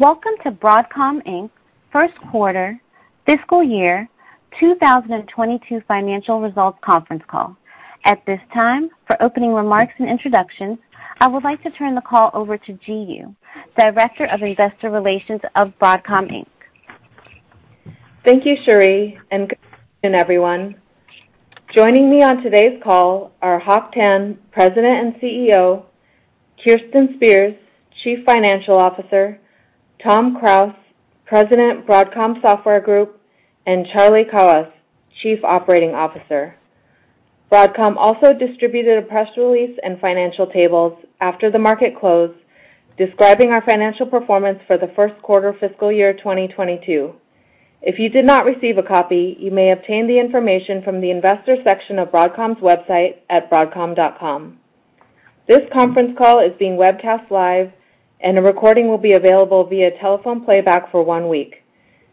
Welcome to Broadcom Inc.'s First Quarter Fiscal Year 2022 Financial Results Conference Call. At this time, for opening remarks and introductions, I would like to turn the call over to Ji Yoo, Director of Investor Relations of Broadcom Inc. Thank you, Cherie, and good evening, everyone. Joining me on today's call are Hock Tan, President and CEO, Kirsten Spears, Chief Financial Officer, Tom Krause, President, Broadcom Software Group, and Charlie Kawwas, Chief Operating Officer. Broadcom also distributed a press release and financial tables after the market closed, describing our financial performance for the first quarter fiscal year 2022. If you did not receive a copy, you may obtain the information from the investor section of Broadcom's website at broadcom.com. This conference call is being webcast live, and a recording will be available via telephone playback for one week.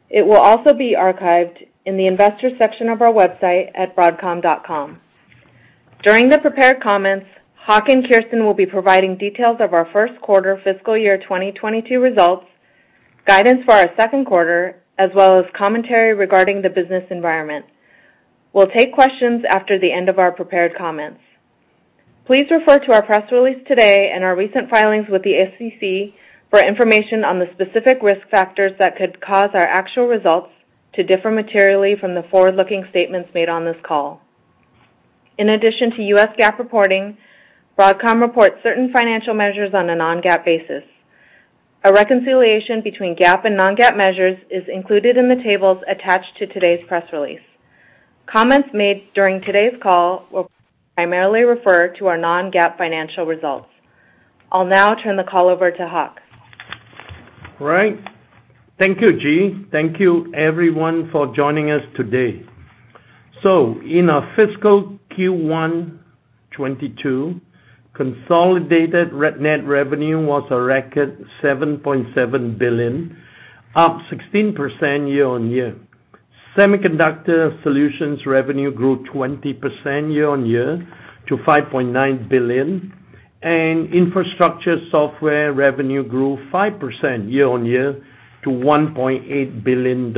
It will also be archived in the investor section of our website at broadcom.com. During the prepared comments, Hock and Kirsten will be providing details of our first quarter fiscal year 2022 results, guidance for our second quarter, as well as commentary regarding the business environment. We'll take questions after the end of our prepared comments. Please refer to our press release today and our recent filings with the SEC for information on the specific risk factors that could cause our actual results to differ materially from the forward-looking statements made on this call. In addition to U.S. GAAP reporting, Broadcom reports certain financial measures on a non-GAAP basis. A reconciliation between GAAP and non-GAAP measures is included in the tables attached to today's press release. Comments made during today's call will primarily refer to our non-GAAP financial results. I'll now turn the call over to Hock. All right. Thank you, Ji. Thank you everyone for joining us today. In our fiscal Q1 2022, consolidated net revenue was a record $7.7 billion, up 16% year-on-year. Semiconductor Solutions revenue grew 20% year-on-year to $5.9 billion, and Infrastructure Software revenue grew 5% year-on-year to $1.8 billion.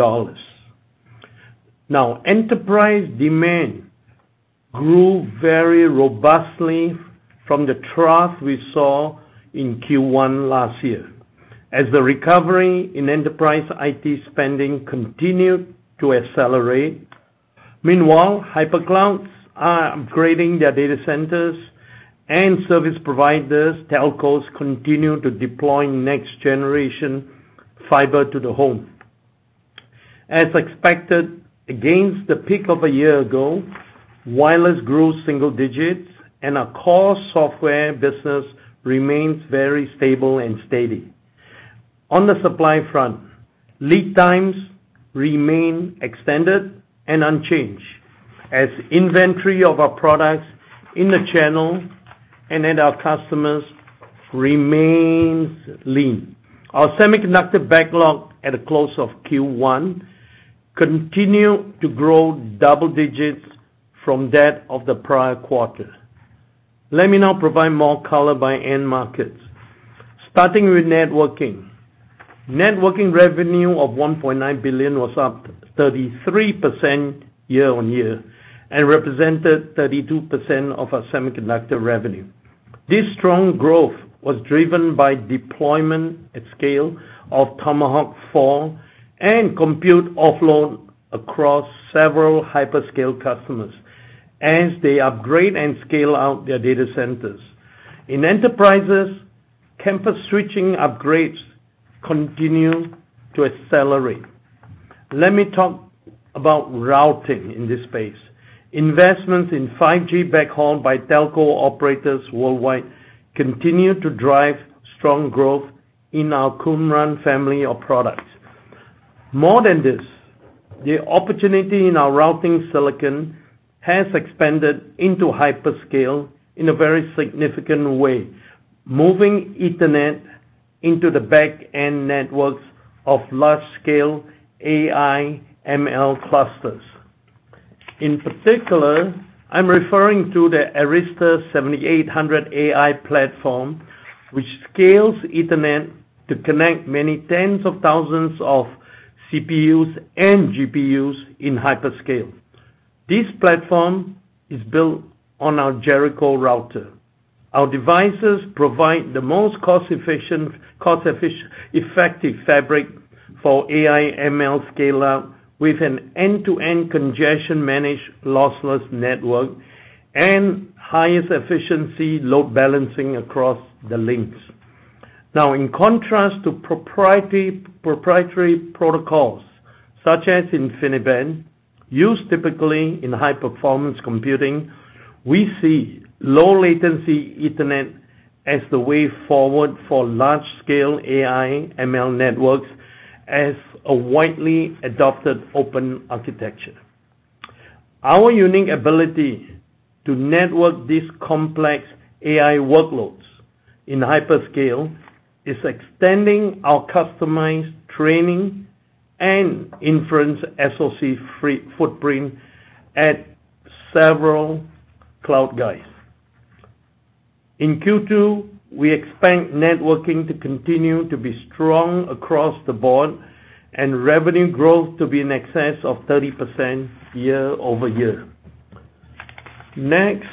Now, enterprise demand grew very robustly from the trough we saw in Q1 last year as the recovery in enterprise IT spending continued to accelerate. Meanwhile, hyperclouds are upgrading their data centers and service providers, telcos continue to deploy next generation fiber to the home. As expected, against the peak of a year ago, wireless grew single digits and our core software business remains very stable and steady. On the supply front, lead times remain extended and unchanged as inventory of our products in the channel and at our customers remains lean. Our semiconductor backlog at the close of Q1 continued to grow double digits from that of the prior quarter. Let me now provide more color by end markets. Starting with networking. Networking revenue of $1.9 billion was up 33% year on year and represented 32% of our semiconductor revenue. This strong growth was driven by deployment at scale of Tomahawk 4 and compute offload across several hyperscale customers as they upgrade and scale out their data centers. In enterprises, campus switching upgrades continue to accelerate. Let me talk about routing in this space. Investments in 5G backhaul by telco operators worldwide continue to drive strong growth in our Qumran family of products. More than this, the opportunity in our routing silicon has expanded into hyperscale in a very significant way, moving Ethernet into the backend networks of large-scale AI/ML clusters. In particular, I'm referring to the Arista 7800 AI platform, which scales Ethernet to connect many tens of thousands of CPUs and GPUs in hyperscale. This platform is built on our Jericho router. Our devices provide the most cost-effective fabric for AI/ML scale out with an end-to-end congestion managed lossless network and highest efficiency load balancing across the links. In contrast to proprietary protocols such as InfiniBand, used typically in high-performance computing, we see low-latency Ethernet as the way forward for large-scale AI/ML networks as a widely adopted open architecture. Our unique ability to network these complex AI workloads in hyperscale is extending our customized training and inference SoC footprint at several cloud guys. In Q2, we expect networking to continue to be strong across the board and revenue growth to be in excess of 30% year-over-year. Next,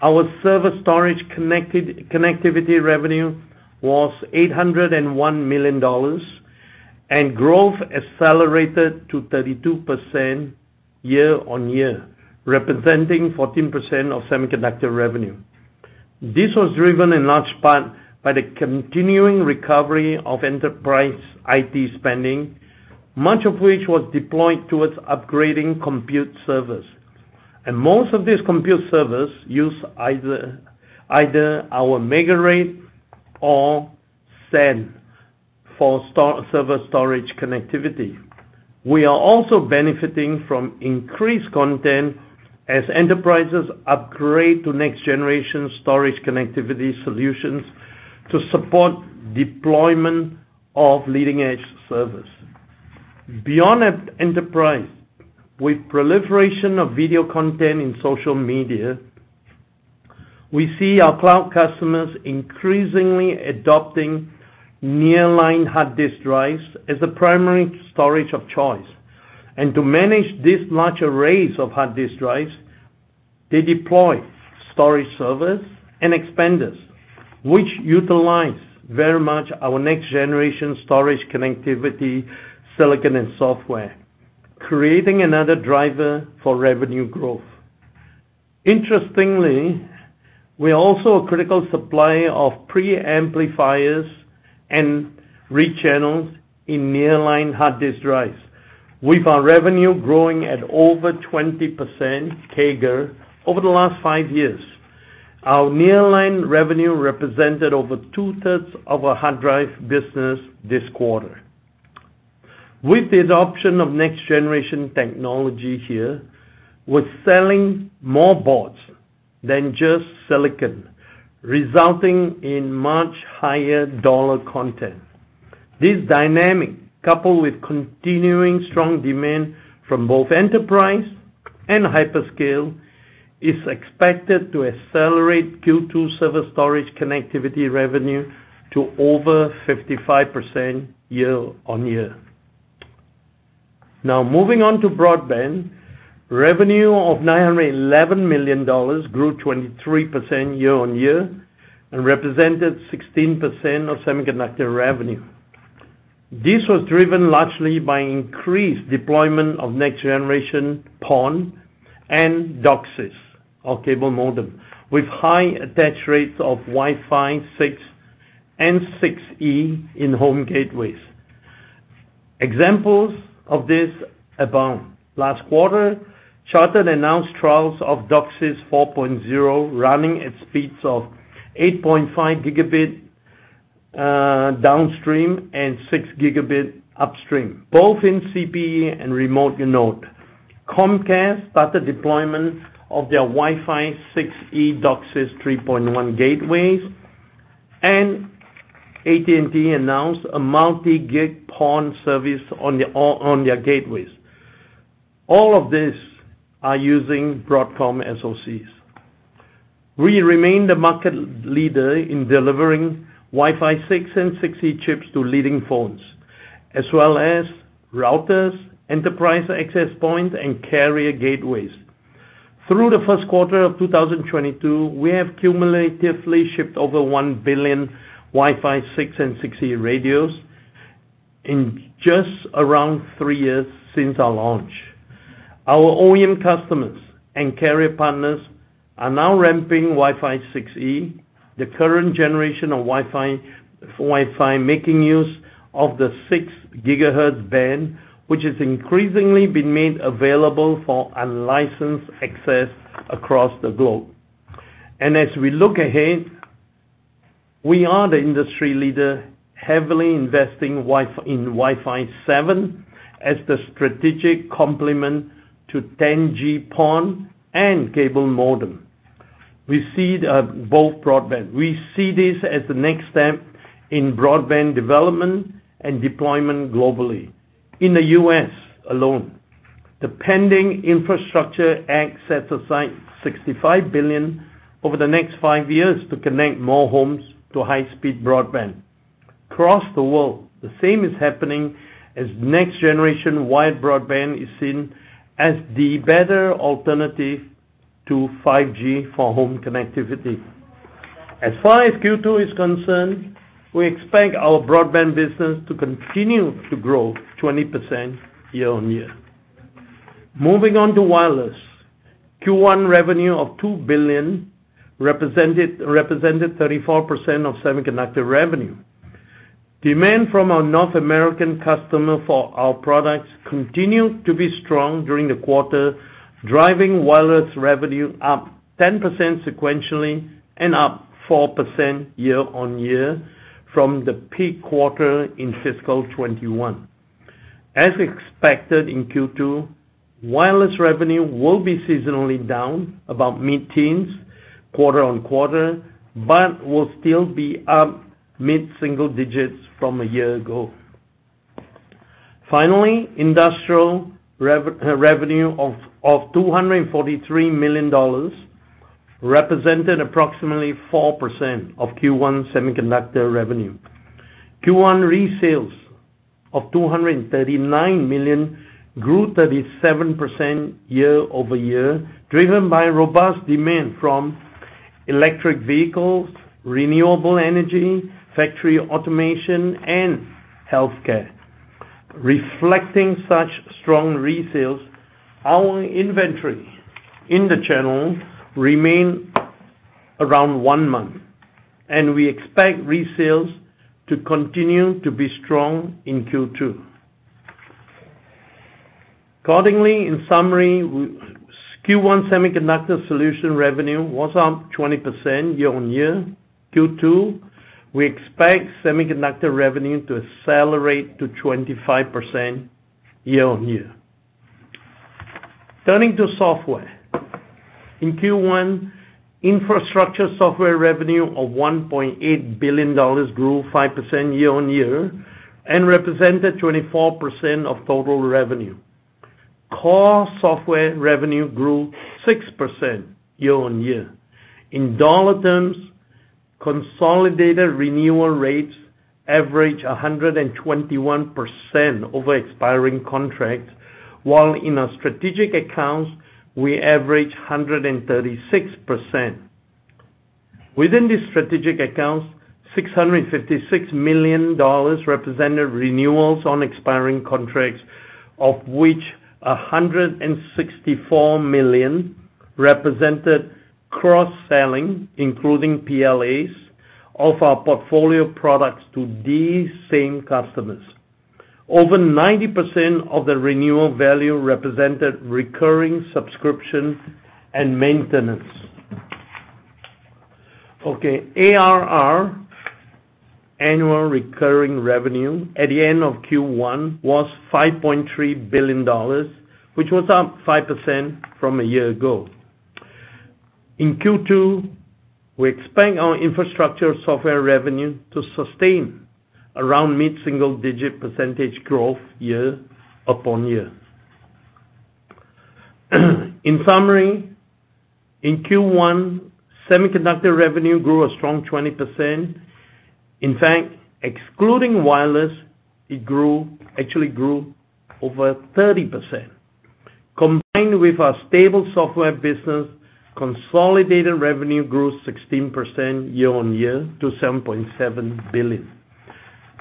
our server storage connectivity revenue was $801 million, and growth accelerated to 32% year on year, representing 14% of semiconductor revenue. This was driven in large part by the continuing recovery of enterprise IT spending, much of which was deployed towards upgrading compute servers. Most of these compute servers use either our MegaRAID or SAN for server storage connectivity. We are also benefiting from increased content as enterprises upgrade to next-generation storage connectivity solutions to support deployment of leading-edge servers. Beyond enterprise, with proliferation of video content in social media, we see our cloud customers increasingly adopting nearline hard disk drives as the primary storage of choice. To manage these large arrays of hard disk drives, they deploy storage servers and expanders, which utilize very much our next-generation storage connectivity silicon and software, creating another driver for revenue growth. Interestingly, we are also a critical supplier of preamplifiers and rechannels in nearline hard disk drives, with our revenue growing at over 20% CAGR over the last five years. Our nearline revenue represented over 2/3 of our hard drive business this quarter. With the adoption of next-generation technology here, we're selling more boards than just silicon, resulting in much higher dollar content. This dynamic, coupled with continuing strong demand from both enterprise and hyperscale, is expected to accelerate Q2 server storage connectivity revenue to over 55% year-on-year. Now moving on to broadband, revenue of $911 million grew 23% year-on-year and represented 16% of semiconductor revenue. This was driven largely by increased deployment of next-generation PON and DOCSIS or cable modem, with high attach rates of Wi-Fi 6 and 6E in home gateways. Examples of this abound. Last quarter, Charter announced trials of DOCSIS 4.0 running at speeds of 8.5 Gb downstream and 6 Gb upstream, both in CPE and remote unit. Comcast started deployment of their Wi-Fi 6E DOCSIS 3.1 gateways, and AT&T announced a multi-gig PON service on their gateways. All of these are using Broadcom SoCs. We remain the market leader in delivering Wi-Fi 6 and 6E chips to leading phones, as well as routers, enterprise access points, and carrier gateways. Through the first quarter of 2022, we have cumulatively shipped over 1 billion Wi-Fi 6 and 6E radios in just around three years since our launch. Our OEM customers and carrier partners are now ramping Wi-Fi 6E, the current generation of Wi-Fi, Wi-Fi making use of the 6 GHz band, which has increasingly been made available for unlicensed access across the globe. As we look ahead, we are the industry leader heavily investing in Wi-Fi 7 as the strategic complement to 10G PON and cable modem. We see this as the next step in broadband development and deployment globally. In the U.S. alone, the pending infrastructure act sets aside $65 billion over the next five years to connect more homes to high-speed broadband. Across the world, the same is happening as next-generation wide broadband is seen as the better alternative to 5G for home connectivity. As far as Q2 is concerned, we expect our broadband business to continue to grow 20% year on year. Moving on to wireless. Q1 revenue of $2 billion represented 34% of semiconductor revenue. Demand from our North American customer for our products continued to be strong during the quarter, driving wireless revenue up 10% sequentially and up 4% year on year from the peak quarter in fiscal 2021. As expected in Q2, wireless revenue will be seasonally down about mid-teens quarter on quarter, but will still be up mid-single digits from a year ago. Finally, industrial revenue of $243 million represented approximately 4% of Q1 semiconductor revenue. Q1 resales of $239 million grew 37% year-over-year, driven by robust demand from electric vehicles, renewable energy, factory automation, and healthcare. Reflecting such strong resales, our inventory in the channel remains around one month, and we expect resales to continue to be strong in Q2. Accordingly, in summary, Q1 Semiconductor Solutions revenue was up 20% year on year. For Q2, we expect semiconductor revenue to accelerate to 25% year on year. Turning to software. In Q1, infrastructure software revenue of $1.8 billion grew 5% year on year and represented 24% of total revenue. Core software revenue grew 6% year on year. In dollar terms, consolidated renewal rates averaged 121% over expiring contracts, while in our strategic accounts, we averaged 136%. Within these strategic accounts, $656 million represented renewals on expiring contracts, of which $164 million represented cross-selling, including PLAs of our portfolio products to these same customers. Over 90% of the renewal value represented recurring subscription and maintenance. Okay, ARR, annual recurring revenue at the end of Q1 was $5.3 billion, which was up 5% from a year ago. In Q2, we expect our infrastructure software revenue to sustain around mid-single-digit percentage growth year-upon-year. In summary, in Q1, semiconductor revenue grew a strong 20%. In fact, excluding wireless, it grew, actually grew over 30%. Combined with our stable software business, consolidated revenue grew 16% year on year to $7.7 billion.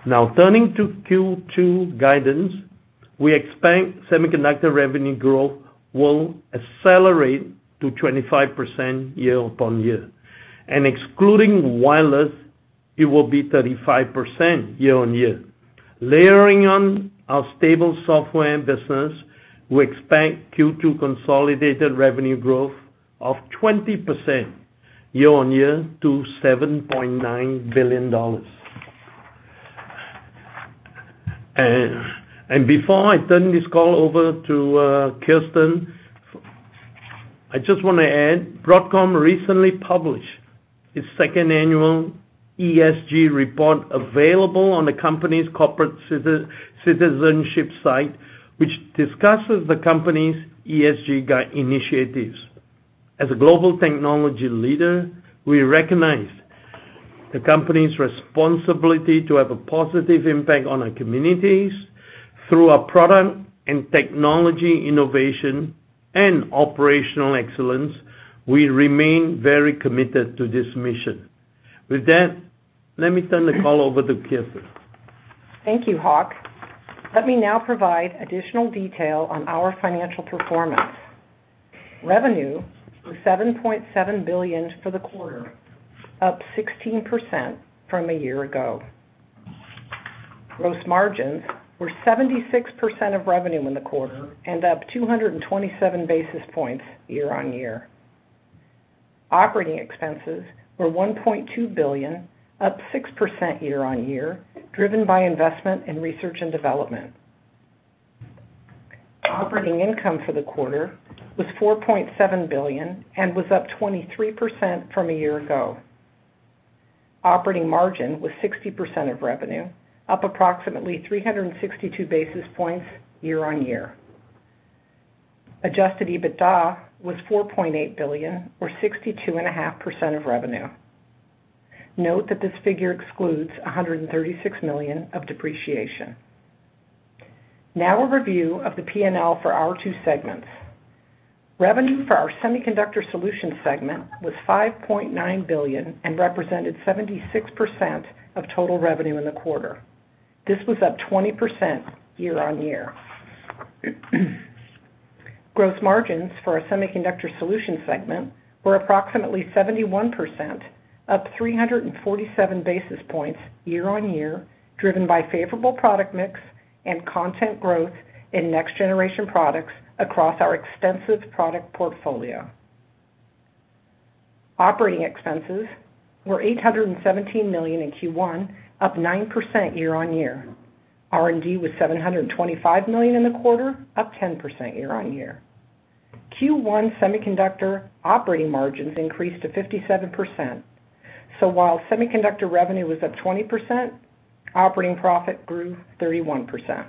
Now, turning to Q2 guidance, we expect semiconductor revenue growth will accelerate to 25% year on year. Excluding wireless, it will be 35% year on year. Layering on our stable software business, we expect Q2 consolidated revenue growth of 20% year on year to $7.9 billion. Before I turn this call over to Kirsten, I just wanna add, Broadcom recently published its second annual ESG report available on the company's corporate citizenship site, which discusses the company's ESG-guided initiatives. As a global technology leader, we recognize the company's responsibility to have a positive impact on our communities through our product and technology innovation and operational excellence. We remain very committed to this mission. With that, let me turn the call over to Kirsten. Thank you, Hock. Let me now provide additional detail on our financial performance. Revenue was $7.7 billion for the quarter, up 16% from a year ago. Gross margins were 76% of revenue in the quarter, and up 227 basis points year on year. Operating expenses were $1.2 billion, up 6% year on year, driven by investment in research and development. Operating income for the quarter was $4.7 billion and was up 23% from a year ago. Operating margin was 60% of revenue, up approximately 362 basis points year on year. Adjusted EBITDA was $4.8 billion or 62.5% of revenue. Note that this figure excludes $136 million of depreciation. Now a review of the P&L for our two segments. Revenue for our Semiconductor Solutions segment was $5.9 billion and represented 76% of total revenue in the quarter. This was up 20% year on year. Gross margins for our Semiconductor Solutions segment were approximately 71%, up 347 basis points year on year, driven by favorable product mix and content growth in next-generation products across our extensive product portfolio. Operating expenses were $817 million in Q1, up 9% year on year. R&D was $725 million in the quarter, up 10% year on year. Q1 semiconductor operating margins increased to 57%. While semiconductor revenue was up 20%, operating profit grew 31%.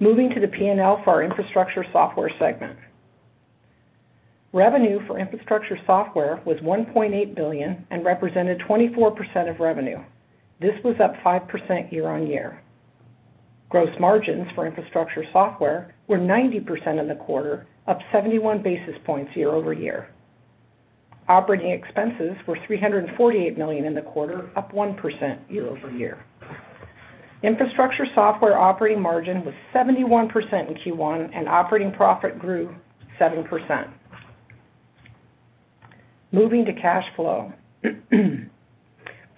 Moving to the P&L for our infrastructure software segment. Revenue for infrastructure software was $1.8 billion and represented 24% of revenue. This was up 5% year on year. Gross margins for infrastructure software were 90% in the quarter, up 71 basis points year-over-year. Operating expenses were $348 million in the quarter, up 1% year-over-year. Infrastructure software operating margin was 71% in Q1, and operating profit grew 7%. Moving to cash flow.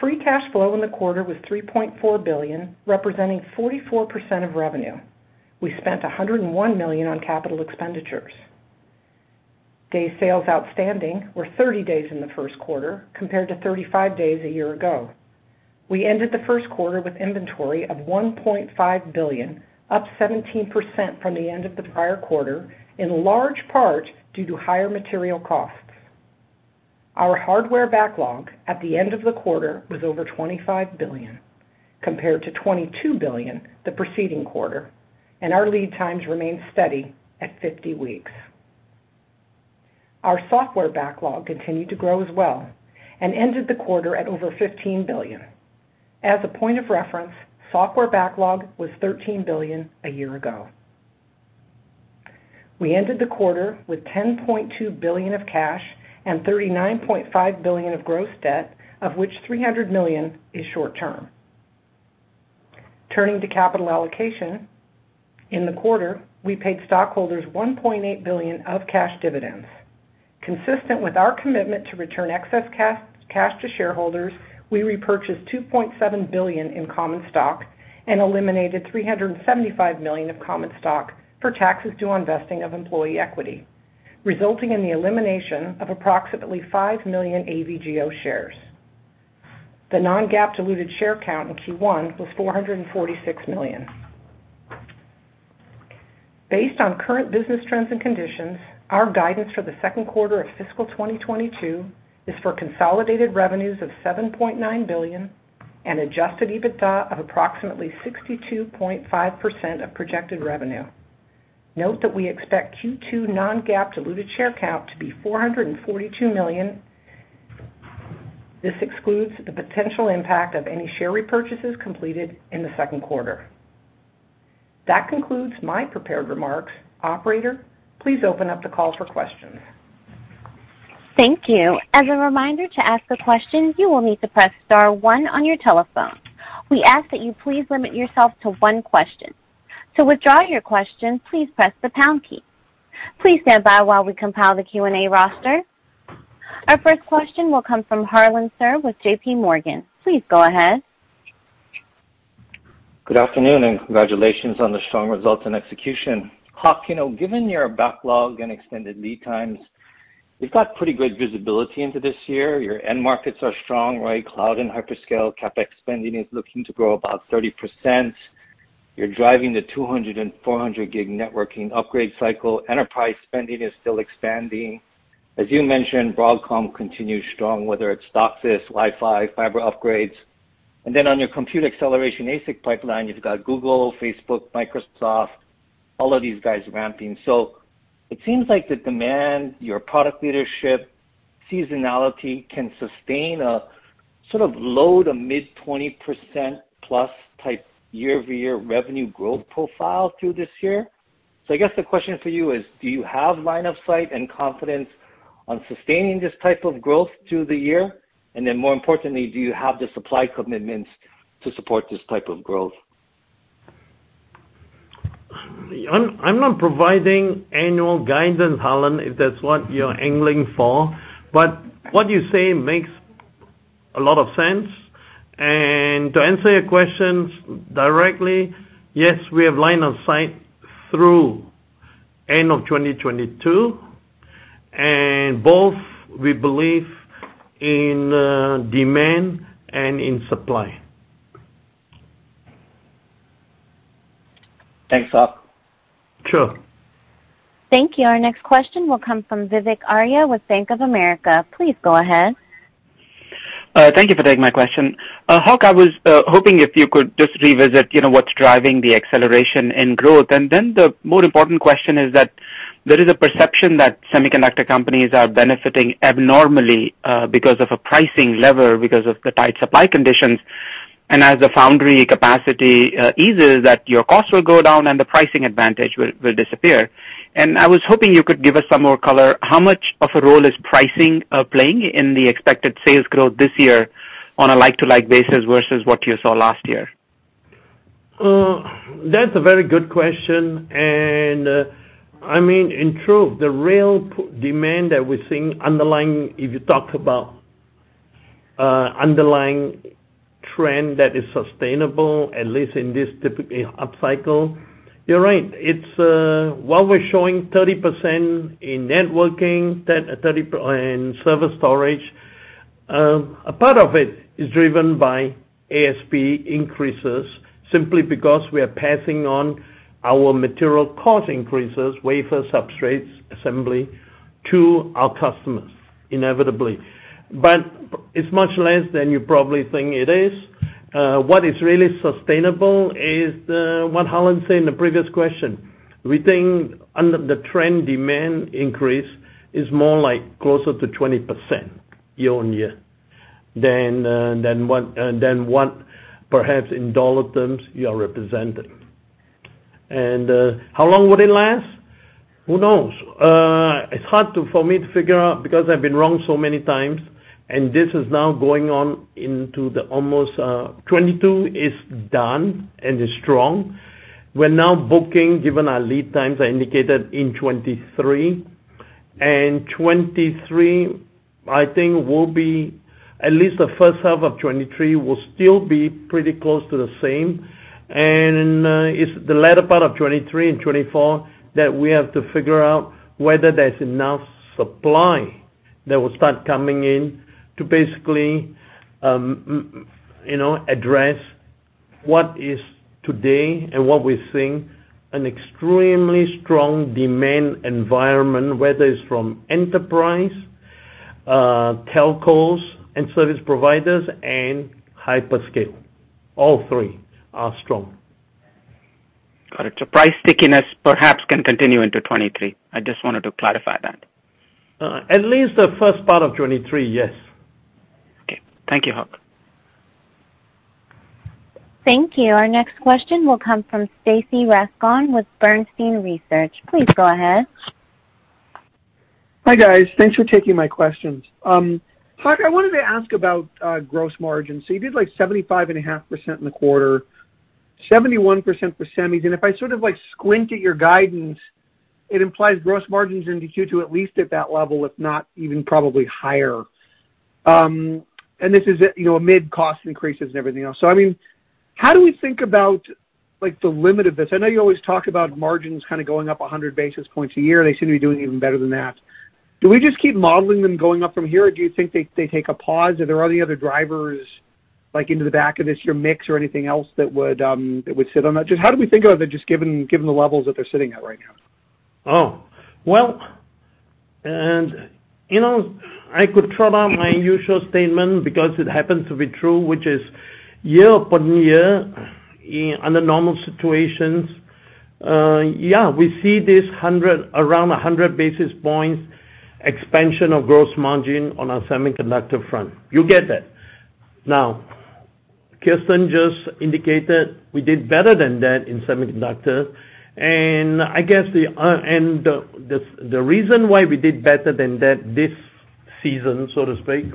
Free cash flow in the quarter was $3.4 billion, representing 44% of revenue. We spent $101 million on capital expenditures. Day sales outstanding were 30 days in the first quarter compared to 35 days a year ago. We ended the first quarter with inventory of $1.5 billion, up 17% from the end of the prior quarter, in large part due to higher material costs. Our hardware backlog at the end of the quarter was over $25 billion, compared to $22 billion the preceding quarter, and our lead times remain steady at 50 weeks. Our software backlog continued to grow as well and ended the quarter at over $15 billion. As a point of reference, software backlog was $13 billion a year ago. We ended the quarter with $10.2 billion of cash and $39.5 billion of gross debt, of which $300 million is short term. Turning to capital allocation. In the quarter, we paid stockholders $1.8 billion of cash dividends. Consistent with our commitment to return excess cash to shareholders, we repurchased $2.7 billion in common stock and eliminated $375 million of common stock for taxes due on vesting of employee equity, resulting in the elimination of approximately 5 million AVGO shares. The non-GAAP diluted share count in Q1 was 446 million. Based on current business trends and conditions, our guidance for the second quarter of fiscal 2022 is for consolidated revenues of $7.9 billion and adjusted EBITDA of approximately 62.5% of projected revenue. Note that we expect Q2 non-GAAP diluted share count to be 442 million. This excludes the potential impact of any share repurchases completed in the second quarter. That concludes my prepared remarks. Operator, please open up the call for questions. Thank you. As a reminder, to ask a question, you will need to press star one on your telephone. We ask that you please limit yourself to one question. To withdraw your question, please press the pound key. Please stand by while we compile the Q&A roster. Our first question will come from Harlan Sur with JPMorgan. Please go ahead. Good afternoon and congratulations on the strong results and execution. Hock, you know, given your backlog and extended lead times, you've got pretty good visibility into this year. Your end markets are strong, right? Cloud and hyperscale. CapEx spending is looking to grow about 30%. You're driving the 200 Gb and 400 Gb networking upgrade cycle. Enterprise spending is still expanding. As you mentioned, Broadcom continues strong, whether it's DOCSIS, Wi-Fi, fiber upgrades. Then on your compute acceleration ASIC pipeline, you've got Google, Facebook, Microsoft, all of these guys ramping. It seems like the demand, your product leadership, seasonality can sustain a sort of low to mid 20%+ type year-over-year revenue growth profile through this year. I guess the question for you is, do you have line of sight and confidence on sustaining this type of growth through the year? More importantly, do you have the supply commitments to support this type of growth? I'm not providing annual guidance, Harlan, if that's what you're angling for, but what you say makes a lot of sense. To answer your questions directly, yes, we have line of sight through end of 2022. Both we believe in demand and in supply. Thanks, Hock. Sure. Thank you. Our next question will come from Vivek Arya with Bank of America. Please go ahead. Thank you for taking my question. Hock, I was hoping if you could just revisit, you know, what's driving the acceleration in growth. Then the more important question is that there is a perception that semiconductor companies are benefiting abnormally because of a pricing lever, because of the tight supply conditions. As the foundry capacity eases, that your costs will go down and the pricing advantage will disappear. I was hoping you could give us some more color. How much of a role is pricing playing in the expected sales growth this year on a like-to-like basis versus what you saw last year? That's a very good question. I mean, in truth, the real demand that we're seeing underlying, if you talk about, underlying trend that is sustainable, at least in this typically upcycle, you're right. It's while we're showing 30% in networking data, 30% and server storage A part of it is driven by ASP increases simply because we are passing on our material cost increases, wafer substrates assembly to our customers inevitably. But it's much less than you probably think it is. What is really sustainable is what Harlan said in the previous question. We think under the trend demand increase is more like closer to 20% year on year than what perhaps in dollar terms you are representing. How long will it last? Who knows? It's hard for me to figure out because I've been wrong so many times, and this is now going on into the almost 2022 is done and is strong. We're now booking, given our lead times I indicated in 2023. 2023, I think, will be, at least the first half of 2023, still pretty close to the same. It's the latter part of 2023 and 2024 that we have to figure out whether there's enough supply that will start coming in to basically, you know, address what is today and what we're seeing an extremely strong demand environment, whether it's from enterprise, telcos, and service providers, and hyperscale. All three are strong. Got it. Price stickiness perhaps can continue into 2023. I just wanted to clarify that. At least the first part of 2023, yes. Okay. Thank you, Hock. Thank you. Our next question will come from Stacy Rasgon with Bernstein Research. Please go ahead. Hi, guys. Thanks for taking my questions. Hock, I wanted to ask about gross margins. You did, like, 75.5% in the quarter, 71% for semis. If I sort of, like, squint at your guidance, it implies gross margins in Q2 at least at that level, if not even probably higher. This is at, you know, amid cost increases and everything else. I mean, how do we think about, like, the limit of this? I know you always talk about margins kinda going up 100 basis points a year, and they seem to be doing even better than that. Do we just keep modeling them going up from here, or do you think they take a pause? Are there any other drivers, like, into the back of this, your mix or anything else that would sit on that? Just how do we think about that just given the levels that they're sitting at right now? Well, you know, I could trot out my usual statement because it happens to be true, which is year upon year, under normal situations, yeah, we see this around 100 basis points expansion of gross margin on our semiconductor front. You get that. Now, Kirsten just indicated we did better than that in semiconductor. I guess the reason why we did better than that this season, so to speak,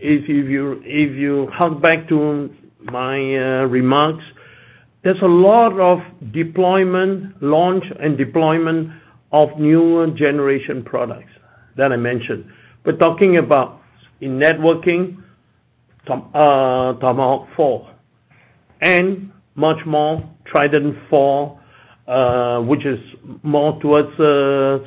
is if you hark back to my remarks, there's a lot of deployment, launch and deployment of new generation products that I mentioned. We're talking about in networking, Tomahawk 4 and much more Trident4, which is more towards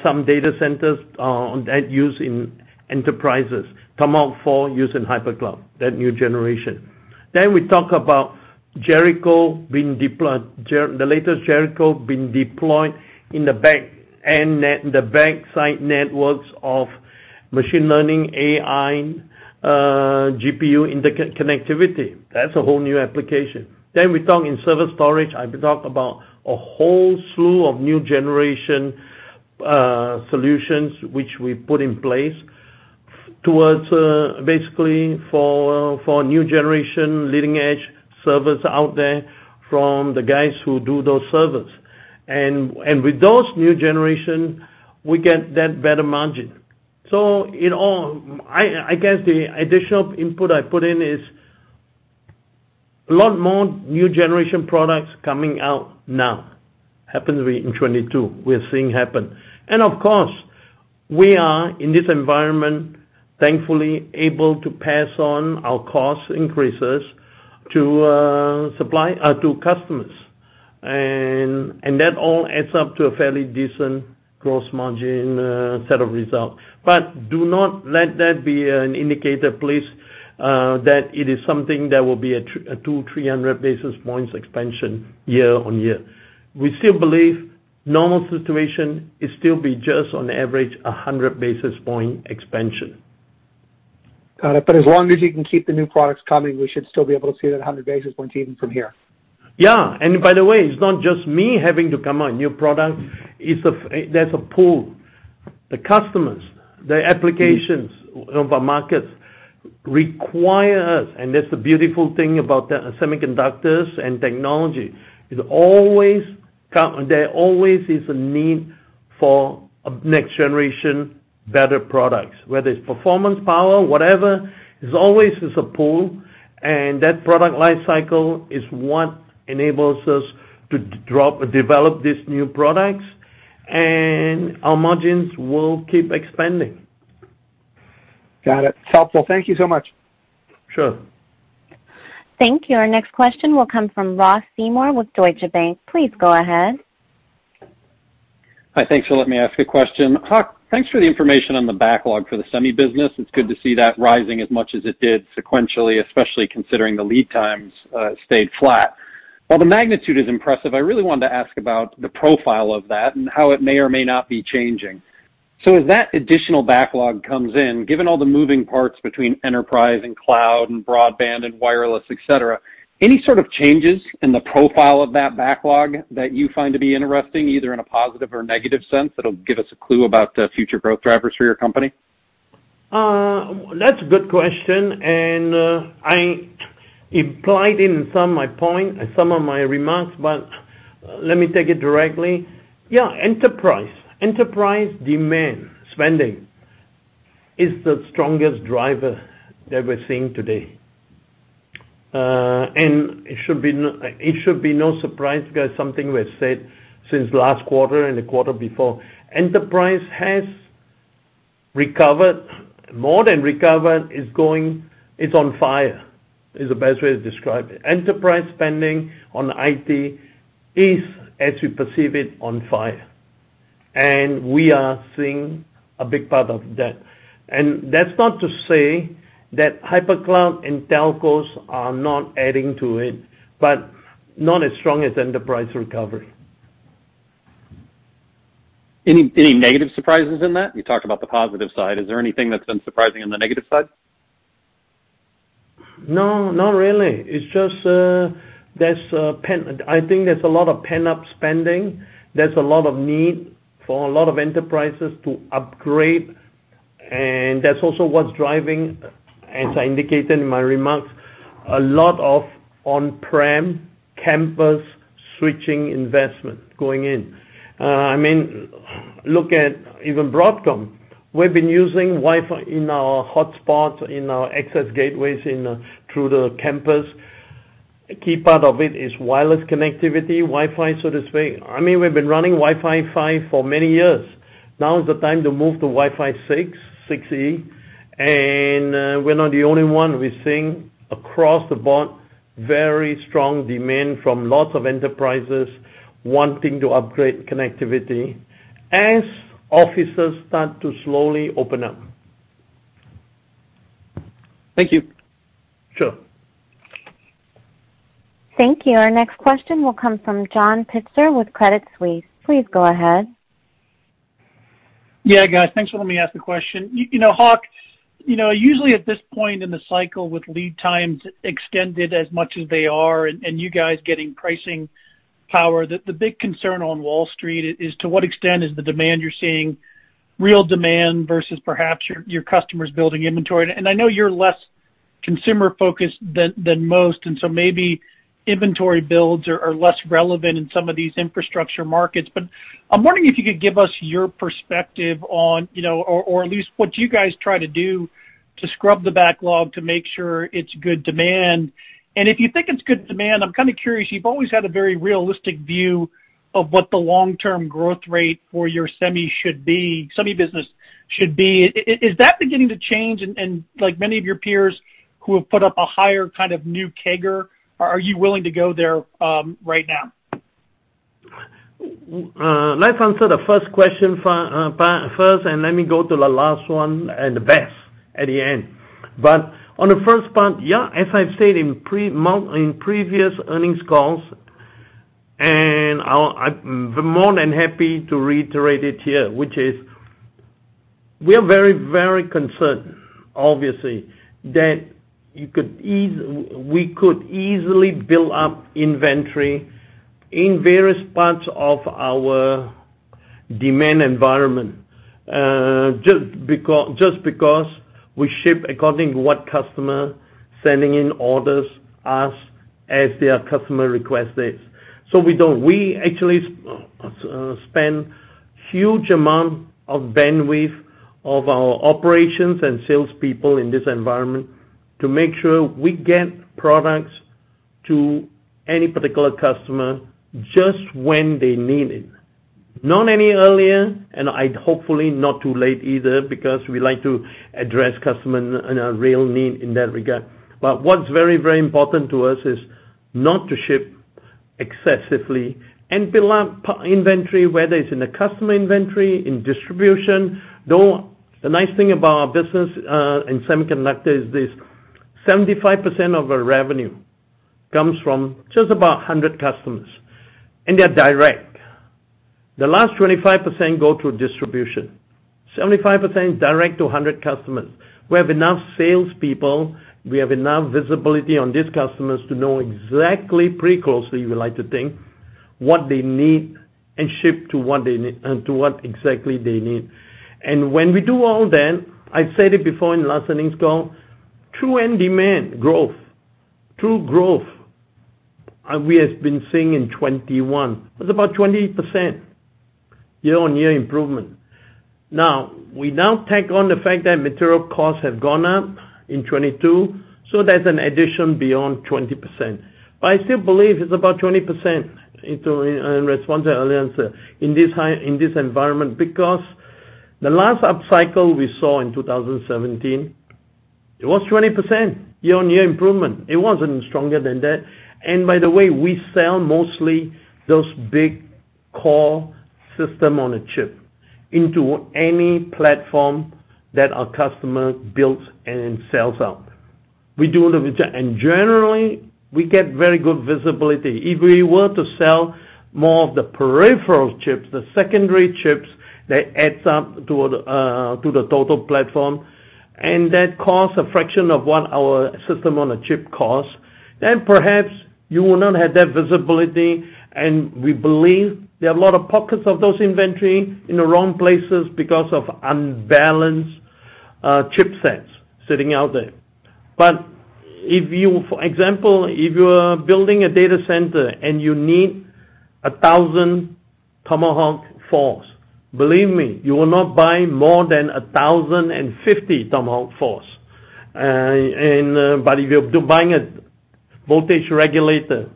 some data centers that use in enterprises. Tomahawk 4 used in hyperscale cloud, that new generation. We talk about Jericho being deployed, the latest Jericho being deployed in the back-end networks of machine learning AI, GPU interconnectivity. That's a whole new application. We talk in server storage. I talk about a whole slew of new generation solutions which we put in place towards basically for new generation leading-edge servers out there from the guys who do those servers. With those new generation, we get that better margin. In all, I guess the additional input I put in is, a lot more new generation products coming out now, happens to be in 2022, we're seeing happen. Of course, we are in this environment, thankfully able to pass on our cost increases to customers. That all adds up to a fairly decent gross margin set of results. Do not let that be an indicator, please, that it is something that will be a 200, 300 basis points expansion year-over-year. We still believe normal situation is still be just on average 100 basis points expansion. Got it. As long as you can keep the new products coming, we should still be able to see that 100 basis points even from here. Yeah. By the way, it's not just me having to come out with new products. There's a pull. The customers, the applications of our markets require us, and that's the beautiful thing about the semiconductors and technology. There always is a need for a next generation better products, whether it's performance, power, whatever, is always is a pull, and that product life cycle is what enables us to develop these new products, and our margins will keep expanding. Got it. It's helpful. Thank you so much. Sure. Thank you. Our next question will come from Ross Seymore with Deutsche Bank. Please go ahead. Hi. Thanks for letting me ask a question. Hock, thanks for the information on the backlog for the semi business. It's good to see that rising as much as it did sequentially, especially considering the lead times stayed flat. While the magnitude is impressive, I really wanted to ask about the profile of that and how it may or may not be changing. As that additional backlog comes in, given all the moving parts between enterprise and cloud and broadband and wireless, et cetera, any sort of changes in the profile of that backlog that you find to be interesting, either in a positive or negative sense, that'll give us a clue about the future growth drivers for your company? That's a good question, and I implied in some of my remarks, but let me take it directly. Yeah, enterprise. Enterprise demand spending is the strongest driver that we're seeing today. It should be no surprise, guys, something we have said since last quarter and the quarter before. Enterprise has recovered, more than recovered. It's on fire, is the best way to describe it. Enterprise spending on IT is, as we perceive it, on fire. We are seeing a big part of that. That's not to say that hypercloud and telcos are not adding to it, but not as strong as enterprise recovery. Anything negative surprises in that? You talked about the positive side. Is there anything that's been surprising on the negative side? No, not really. It's just, I think there's a lot of pent-up spending. There's a lot of need for a lot of enterprises to upgrade, and that's also what's driving, as I indicated in my remarks, a lot of on-prem campus switching investment going in. I mean, look at even Broadcom. We've been using Wi-Fi in our hotspots, in our access gateways in, through the campus. A key part of it is wireless connectivity, Wi-Fi, so to speak. I mean, we've been running Wi-Fi 5 for many years. Now is the time to move to Wi-Fi 6, 6E. We're not the only one we're seeing across the board, very strong demand from lots of enterprises wanting to upgrade connectivity as offices start to slowly open up. Thank you. Sure. Thank you. Our next question will come from John Pitzer with Credit Suisse. Please go ahead. Yeah, guys, thanks for letting me ask the question. You know, Hock, you know, usually at this point in the cycle with lead times extended as much as they are, and you guys getting pricing power, the big concern on Wall Street is to what extent is the demand you're seeing real demand versus perhaps your customers building inventory. I know you're less consumer-focused than most, and so maybe inventory builds are less relevant in some of these infrastructure markets. I'm wondering if you could give us your perspective on, you know, or at least what you guys try to do to scrub the backlog to make sure it's good demand. If you think it's good demand, I'm kinda curious, you've always had a very realistic view of what the long-term growth rate for your semi business should be. Is that beginning to change and like many of your peers who have put up a higher kind of new CAGR, are you willing to go there, right now? Let's answer the first question first, and let me go to the last one and the best at the end. On the first part, yeah, as I've said in previous earnings calls, and I'm more than happy to reiterate it here, which is we're very, very concerned, obviously, that we could easily build up inventory in various parts of our demand environment, just because we ship according to what customer sending in orders as their customer request is. We don't. We actually spend huge amount of bandwidth of our operations and salespeople in this environment to make sure we get products to any particular customer just when they need it. Not any earlier, and I'd hopefully not too late either because we like to address customer in a real need in that regard. What's very, very important to us is not to ship excessively and build up inventory, whether it's in the customer inventory, in distribution, though the nice thing about our business in semiconductor is this, 75% of our revenue comes from just about 100 customers, and they're direct. The last 25% go through distribution. 75% direct to 100 customers. We have enough salespeople, we have enough visibility on these customers to know exactly pretty closely, we like to think, what they need and ship to what exactly they need. When we do all that, I've said it before in last earnings call, true end demand growth, true growth, we have been seeing in 2021. It was about 20% year on year improvement. We now take on the fact that material costs have gone up in 2022, so that's an addition beyond 20%. I still believe it's about 20% into, in response to earlier answer in this environment because the last upcycle we saw in 2017. It was 20% year-on-year improvement. It wasn't stronger than that. By the way, we sell mostly those big core system on a chip into any platform that our customer builds and sells out. Generally, we get very good visibility. If we were to sell more of the peripheral chips, the secondary chips that add up to the total platform, and that costs a fraction of what our system on a chip costs, then perhaps you will not have that visibility. We believe there are a lot of pockets of those inventory in the wrong places because of unbalanced chipsets sitting out there. For example, if you are building a data center and you need 1,000 Tomahawk 4, believe me, you will not buy more than 1,050 Tomahawk 4. If you're buying a voltage regulator,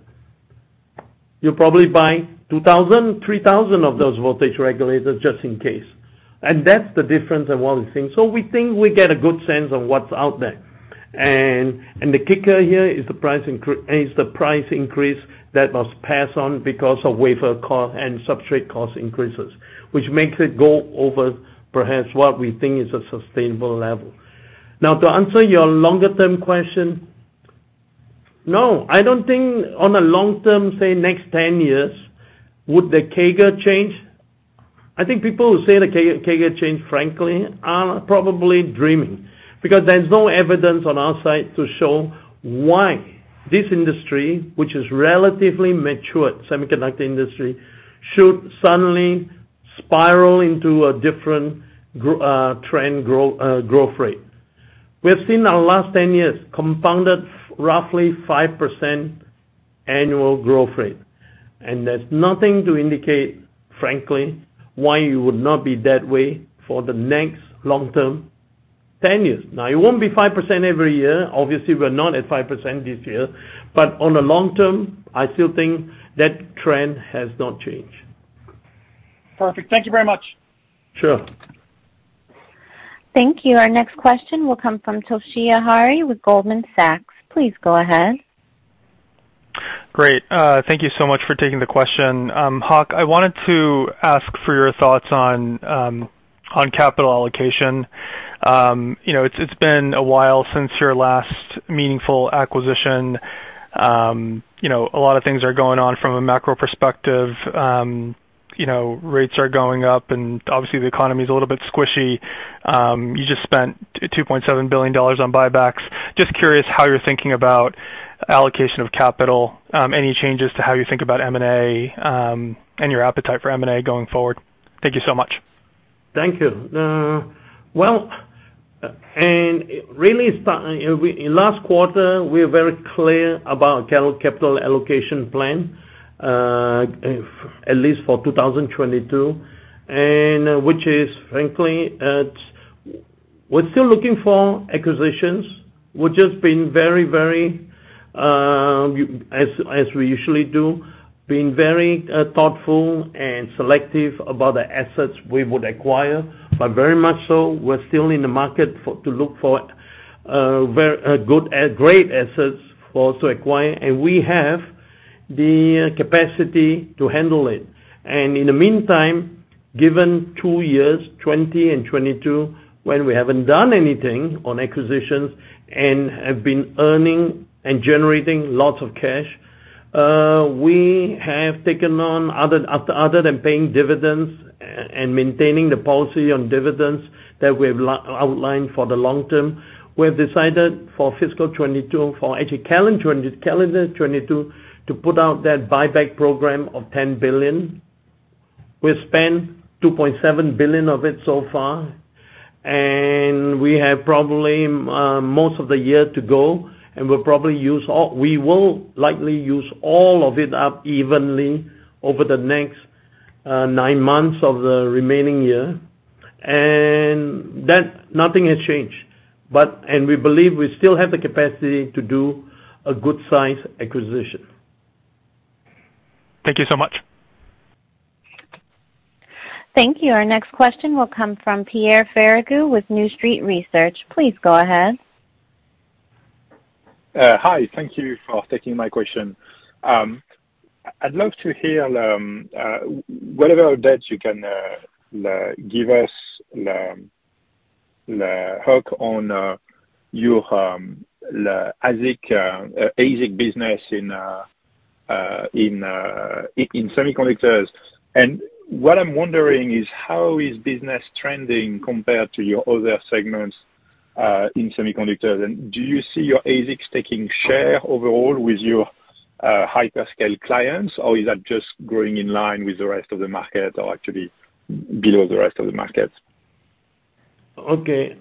you'll probably buy 2,000, 3,000 of those voltage regulators just in case. That's the difference in what we think. We think we get a good sense of what's out there. The kicker here is the price increase that was passed on because of wafer cost and substrate cost increases, which makes it go over perhaps what we think is a sustainable level. Now, to answer your longer term question, no, I don't think on a long term, say, next 10 years, would the CAGR change? I think people who say the CAGR change, frankly, are probably dreaming because there's no evidence on our side to show why this industry, which is relatively matured, semiconductor industry, should suddenly spiral into a different trend growth rate. We have seen our last 10 years compounded roughly 5% annual growth rate, and there's nothing to indicate, frankly, why it would not be that way for the next long-term 10 years. Now, it won't be 5% every year. Obviously, we're not at 5% this year, but on a long term, I still think that trend has not changed. Perfect. Thank you very much. Sure. Thank you. Our next question will come from Toshiya Hari with Goldman Sachs. Please go ahead. Great. Thank you so much for taking the question. Hock, I wanted to ask for your thoughts on capital allocation. You know, it's been a while since your last meaningful acquisition. You know, a lot of things are going on from a macro perspective. You know, rates are going up, and obviously, the economy is a little bit squishy. You just spent $2.7 billion on buybacks. Just curious how you're thinking about allocation of capital, any changes to how you think about M&A, and your appetite for M&A going forward. Thank you so much. Thank you. Well, really, it's been in last quarter we are very clear about capital allocation plan, at least for 2022, which is frankly, we're still looking for acquisitions. We've just been very, as we usually do, very thoughtful and selective about the assets we would acquire, but very much so we're still in the market to look for great assets for us to acquire, and we have the capacity to handle it. In the meantime, given two years, 2020 and 2022, when we haven't done anything on acquisitions and have been earning and generating lots of cash, we have taken on other than paying dividends and maintaining the policy on dividends that we have outlined for the long term, we have decided for fiscal 2022, for actually calendar 2022 to put out that buyback program of $10 billion. We've spent $2.7 billion of it so far, and we have probably most of the year to go, and we will likely use all of it up evenly over the next nine months of the remaining year. Nothing has changed. We believe we still have the capacity to do a good size acquisition. Thank you so much. Thank you. Our next question will come from Pierre Ferragu with New Street Research. Please go ahead. Hi. Thank you for taking my question. I'd love to hear whatever updates you can give us, Hock, on your ASIC business in semiconductors. What I'm wondering is how is business trending compared to your other segments in semiconductors? Do you see your ASICs taking share overall with your hyperscale clients, or is that just growing in line with the rest of the market or actually below the rest of the market? Okay.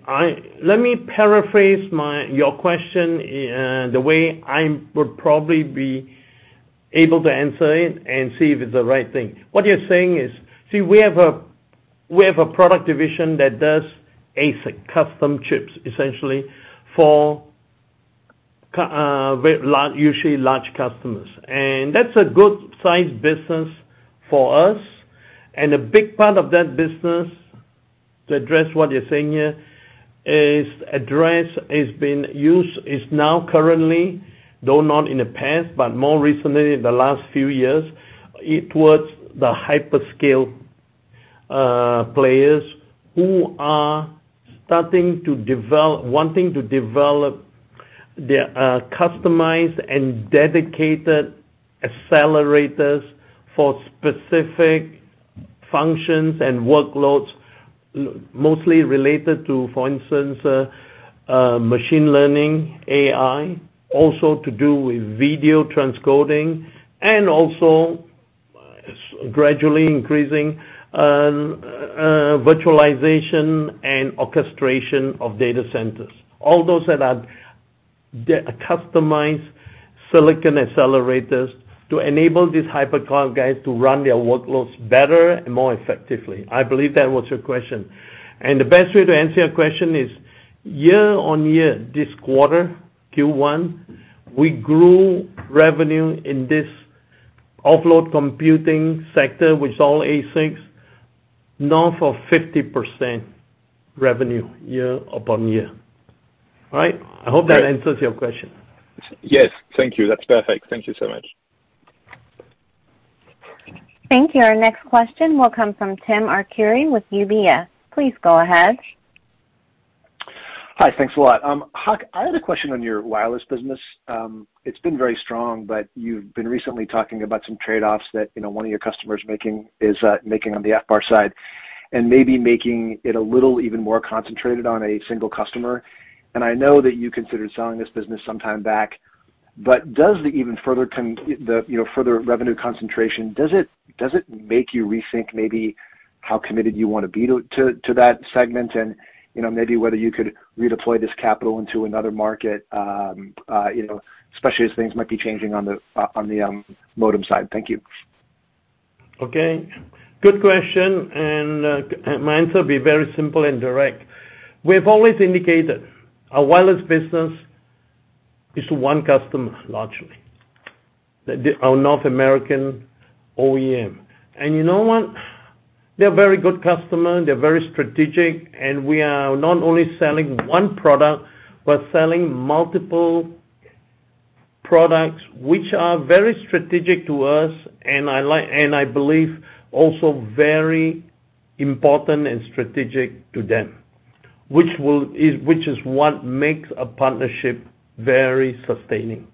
Let me paraphrase your question the way I would probably be able to answer it and see if it's the right thing. What you're saying is, see, we have a product division that does ASIC custom chips, essentially, for very large customers. That's a good size business for us. A big part of that business, to address what you're saying here, is now currently being used, though not in the past, but more recently in the last few years. It was the hyperscale players who are wanting to develop their customized and dedicated accelerators for specific functions and workloads mostly related to, for instance, machine learning, AI, also to do with video transcoding, and also gradually increasing virtualization and orchestration of data centers. All those that are customized silicon accelerators to enable these hyper cloud guys to run their workloads better and more effectively. I believe that was your question. The best way to answer your question is, year on year, this quarter, Q1, we grew revenue in this offload computing sector with all ASICs north of 50% revenue year-over-year. All right. I hope that answers your question. Yes. Thank you. That's perfect. Thank you so much. Thank you. Our next question will come from Tim Arcuri with UBS. Please go ahead. Hi. Thanks a lot. Hock, I had a question on your wireless business. It's been very strong, but you've been recently talking about some trade-offs that, you know, one of your customers is making on the RF side and maybe making it a little even more concentrated on a single customer. I know that you considered selling this business some time back, but does the further revenue concentration make you rethink maybe how committed you wanna be to that segment? You know, maybe whether you could redeploy this capital into another market, you know, especially as things might be changing on the modem side. Thank you. Okay. Good question, my answer will be very simple and direct. We've always indicated our wireless business is one customer, largely. Our North American OEM. You know what? They're a very good customer, they're very strategic, and we are not only selling one product, but selling multiple products which are very strategic to us, and I believe also very important and strategic to them, which is what makes a partnership very sustaining.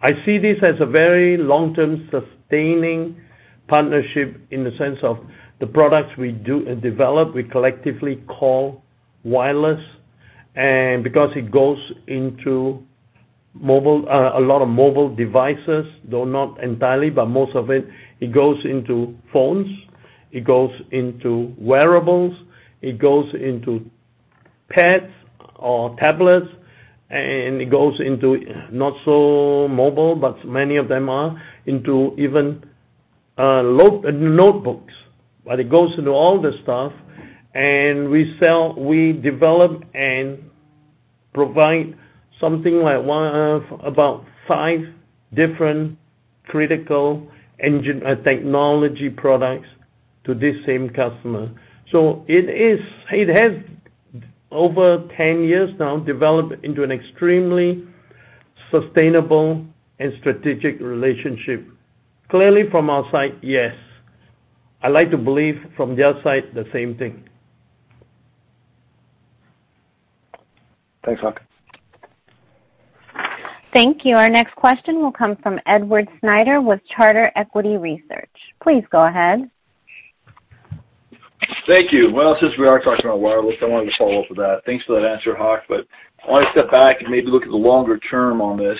I see this as a very long-term sustaining partnership in the sense of the products we do develop, we collectively call wireless. Because it goes into mobile, a lot of mobile devices, though not entirely, but most of it goes into phones, it goes into wearables, it goes into pads or tablets, and it goes into not so mobile, but many of them are, into even notebooks. It goes into all this stuff, and we sell, we develop and provide something like one of about five different critical engine technology products to this same customer. It is, it has over 10 years now developed into an extremely sustainable and strategic relationship. Clearly from our side, yes. I like to believe from their side, the same thing. Thanks, Hock. Thank you. Our next question will come from Edward Snyder with Charter Equity Research. Please go ahead. Thank you. Well, since we are talking about wireless, I wanted to follow up with that. Thanks for that answer, Hock, but I want to step back and maybe look at the longer term on this.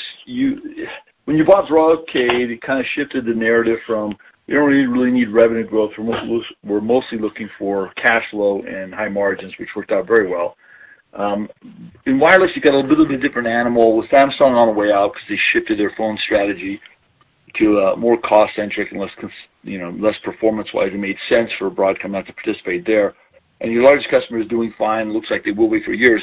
When you bought Broadcom, it kinda shifted the narrative from, we don't really, really need revenue growth. We're mostly looking for cash flow and high margins, which worked out very well. In wireless, you've got a little bit different animal with Samsung on the way out because they shifted their phone strategy to a more cost-centric and you know, less performance-wise. It made sense for Broadcom not to participate there. Your largest customer is doing fine, looks like they will be for years.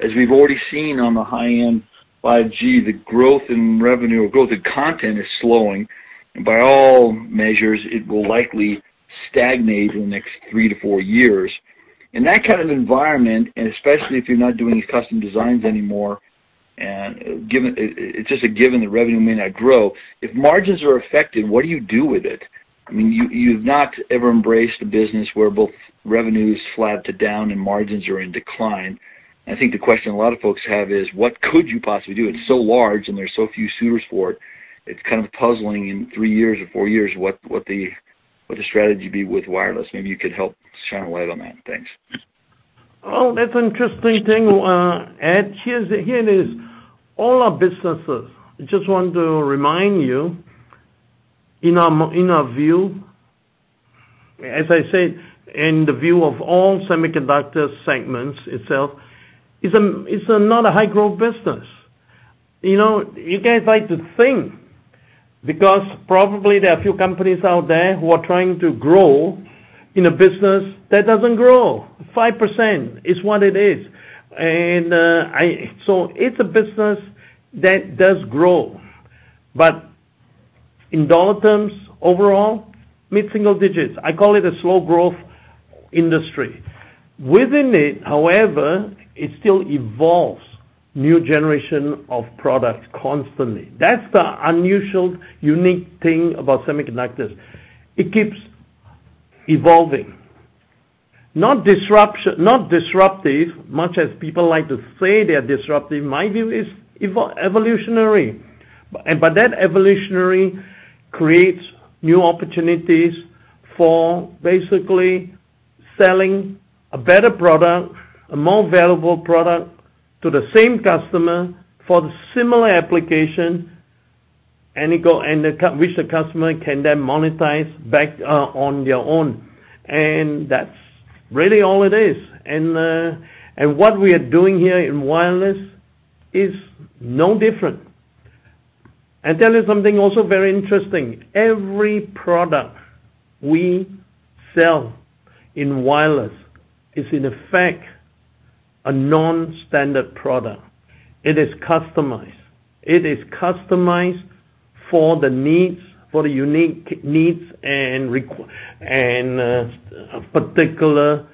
As we've already seen on the high-end 5G, the growth in revenue or growth in content is slowing. By all measures, it will likely stagnate in the next 3 years-4 years. In that kind of environment, and especially if you're not doing these custom designs anymore, and given it's just a given that the revenue may not grow. If margins are affected, what do you do with it? I mean, you've not ever embraced a business where both revenue is flat to down and margins are in decline. I think the question a lot of folks have is, what could you possibly do? It's so large and there's so few suitors for it. It's kind of puzzling in 3 or 4 years, what the strategy be with wireless. Maybe you could help shine a light on that. Thanks. Well, that's an interesting thing, Ed. Here it is. All our businesses, I just want to remind you, in our view, as I said, in the view of all semiconductor segments itself, it's not a high-growth business. You know, you guys like to think, because probably there are a few companies out there who are trying to grow in a business that doesn't grow. 5% is what it is. It's a business that does grow. In dollar terms, overall, mid-single digits. I call it a slow growth industry. Within it, however, it still evolves new generation of products constantly. That's the unusual, unique thing about semiconductors. It keeps evolving. Not disruptive, much as people like to say they are disruptive. My view is evolutionary. That evolutionary creates new opportunities for basically selling a better product, a more valuable product to the same customer for the similar application, and which the customer can then monetize back, on their own. That's really all it is. What we are doing here in wireless is no different. I tell you something also very interesting. Every product we sell in wireless is in effect a non-standard product. It is customized. It is customized for the needs, for the unique needs and particular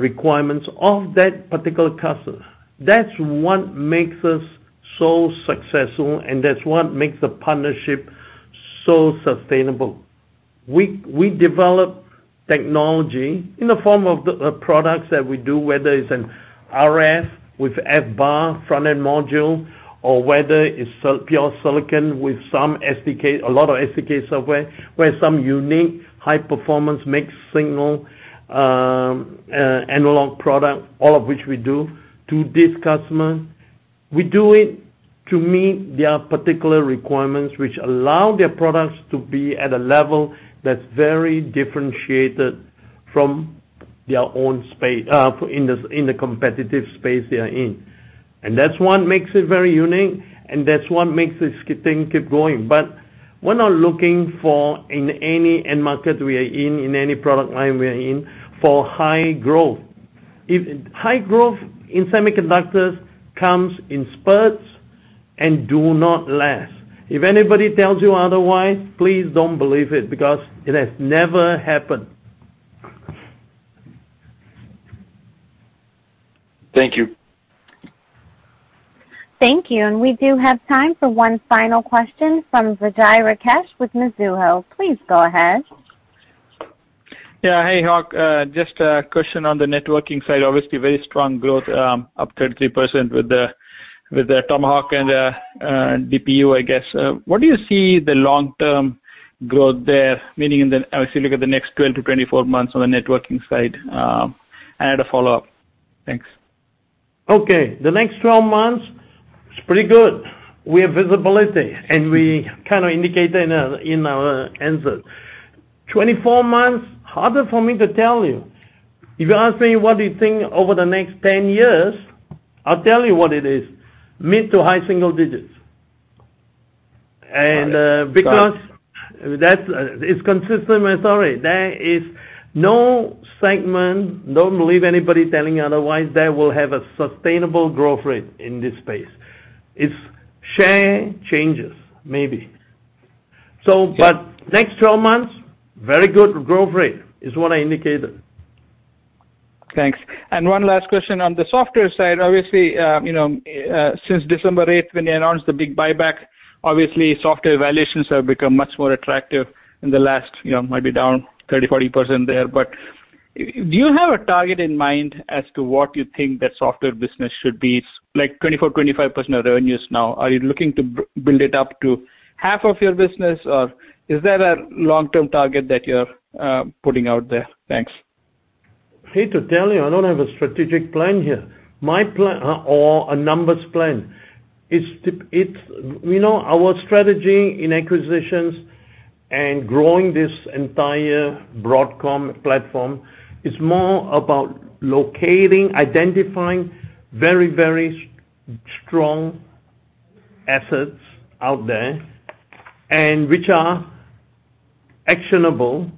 requirements of that particular customer. That's what makes us so successful, and that's what makes the partnership so sustainable. We develop technology in the form of the products that we do, whether it's an RF with FBAR front-end module, or whether it's pure silicon with some SDK, a lot of SDK software, where some unique high performance mixed signal analog product, all of which we do to this customer. We do it to meet their particular requirements, which allow their products to be at a level that's very differentiated from their own space in the competitive space they are in. That's what makes it very unique, and that's what makes this key thing keep growing. We're not looking for, in any end market we are in any product line we are in, for high growth. High growth in semiconductors comes in spurts and do not last. If anybody tells you otherwise, please don't believe it, because it has never happened. Thank you. Thank you. We do have time for one final question from Vijay Rakesh with Mizuho. Please go ahead. Yeah. Hey, Hock. Just a question on the networking side. Obviously very strong growth, up 33% with the Tomahawk and the DPU, I guess. What do you see the long-term growth there? Meaning in the, obviously, look at the next 12 months-24 months on the networking side. I had a follow-up. Thanks. Okay. The next 12 months, it's pretty good. We have visibility, and we kinda indicated in our answers. 24 months, harder for me to tell you. If you ask me, what do you think over the next 10 years, I'll tell you what it is, mid- to high single digits. Because that's consistent with our story. There is no segment, don't believe anybody telling you otherwise, that will have a sustainable growth rate in this space. It's share changes, maybe. Next 12 months, very good growth rate, is I indicated. Thanks. One last question on the software side. Obviously, you know, since December 8th, when you announced the big buyback, obviously software valuations have become much more attractive in the last, you know, might be down 30%-40% there. Do you have a target in mind as to what you think that software business should be? It's like 24%-25% of revenues now. Are you looking to build it up to half of your business, or is there a long-term target that you're putting out there? Thanks. I hate to tell you, I don't have a strategic plan here. My plan or a numbers plan. It's, you know, our strategy in acquisitions and growing this entire Broadcom platform is more about locating, identifying very, very strong assets out there and which are actionable,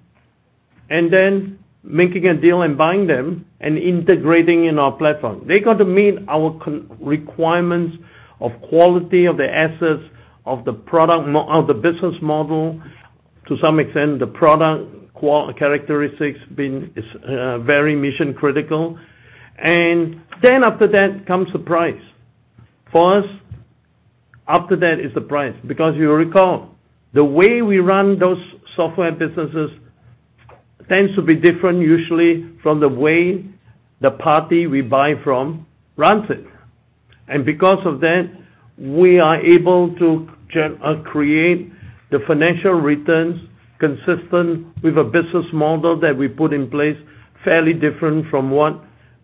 and then making a deal and buying them and integrating in our platform. They got to meet our requirements of quality of the assets, of the business model, to some extent, the product characteristics being very mission critical. Then after that comes the price. For us, after that is the price. Because you'll recall, the way we run those software businesses tends to be different usually from the way the party we buy from runs it. Because of that, we are able to create the financial returns consistent with a business model that we put in place fairly different from what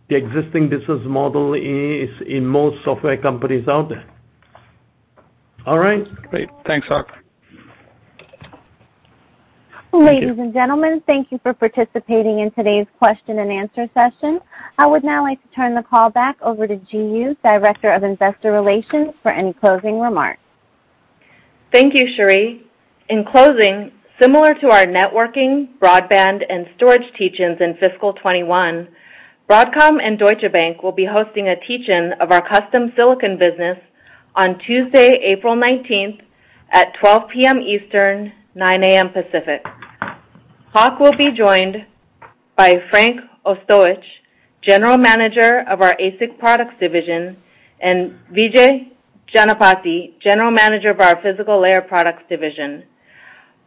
the existing business model is in most software companies out there. All right. Great. Thanks, Hock. Ladies and gentlemen, thank you for participating in today's question and answer session. I would now like to turn the call back over to Ji Yoo, Director of Investor Relations, for any closing remarks. Thank you, Cherie. In closing, similar to our networking, broadband, and storage teach-ins in fiscal 2021, Broadcom and Deutsche Bank will be hosting a teach-in of our custom silicon business on Tuesday, April 19 at 12:00 P.M. Eastern, 9:00 A.M. Pacific. Hock will be joined by Frank Ostojic, General Manager of our ASIC Products Division, and Vijay Janapaty, General Manager of our Physical Layer Products Division.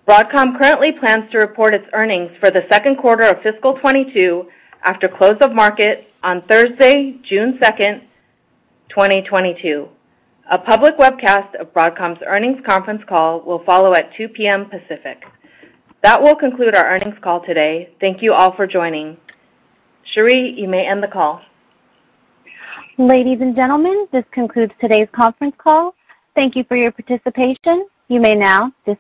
Broadcom currently plans to report its earnings for the second quarter of fiscal 2022 after close of market on Thursday, June 2nd, 2022. A public webcast of Broadcom's earnings conference call will follow at 2:00 P.M. Pacific. That will conclude our earnings call today. Thank you all for joining. Cherie, you may end the call. Ladies and gentlemen, this concludes today's conference call. Thank you for your participation. You may now disconnect.